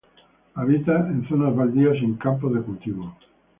Habita en zonas baldías y en campos de cultivo.